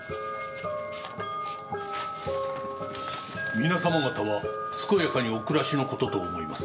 「皆様方は健やかにお暮らしのことと思います」